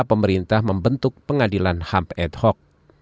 pemerintah membentuk pengadilan ham ad hoc